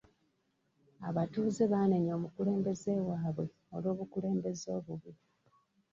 Abatuuze baanenya omukulembeze waabwe olw'obukulembeze obubi.